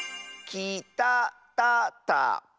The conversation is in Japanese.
きたたたか？